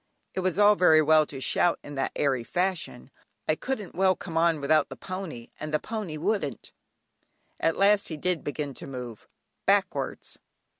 It was all very well to shout in that airy fashion, I couldn't well "come on" without the pony, and the pony wouldn't. At last he did begin to move, backwards!